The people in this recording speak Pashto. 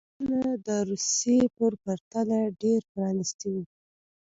بنسټونه د روسیې په پرتله ډېر پرانېستي وو.